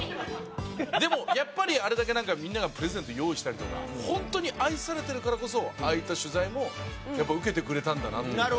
でもやっぱりあれだけみんながプレゼント用意したりとか本当に愛されてるからこそああいった取材もやっぱり受けてくれたんだなというか。